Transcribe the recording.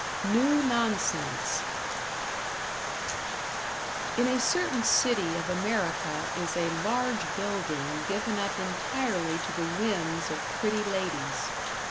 #New Nonsense# In a certain city of America is a large building given up entirely to the whims of pretty ladies.